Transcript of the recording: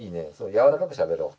やわらかくしゃべろう。